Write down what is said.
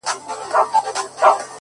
خلگو شتنۍ د ټول جهان څخه راټولي كړې!